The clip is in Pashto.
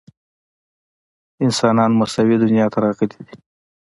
انسانان مساوي دنیا ته راغلي دي.